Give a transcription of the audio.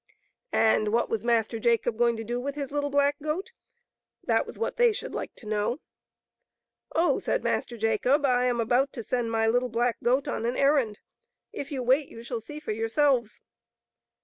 '* And what was Master Jacob going to do with his little black goat? That was what they should like to know. " Oh, said Master Jacob, " I am about to send my little black goat on an errand , if you will wait you shall see for yourselves.